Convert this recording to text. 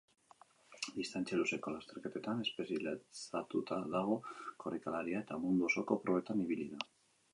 Distantzia luzeko lasterketetan espezializatuta dago korrikalaria, eta mundu osoko probetan ibili da.